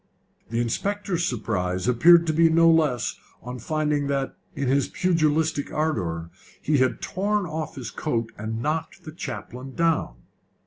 The inspector's surprise appeared to be no less on finding that, in his pugilistic ardour, he had torn off his coat and knocked the chaplain down.